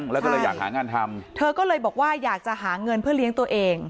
แล้วก็เลยอยากหางานทำเธอก็เลยบอกว่าอยากจะหาเงินเพื่อเลี้ยงตัวเอง